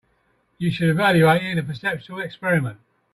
You should evaluate it in a perceptual experiment.